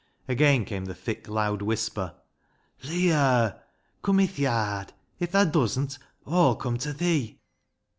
Again came the thick loud whisper — "Leah! come i' th' yard! If thaa doesn't, Aw'll come ta thee."